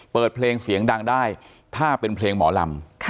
เปิดเพลงเสียงดังได้ถ้าเป็นเพลงหมอลำ